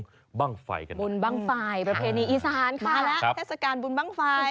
บ้างไฟกันบุญบ้างไฟประเพณีอีสานค่ะและเทศกาลบุญบ้างไฟ